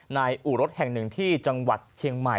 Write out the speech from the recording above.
อู่รถแห่งหนึ่งที่จังหวัดเชียงใหม่